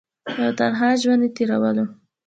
او تنها ژوند ئې تيرولو ۔